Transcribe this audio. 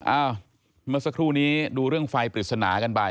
เมื่อสักครู่นี้ดูเรื่องไฟปริศนากันไป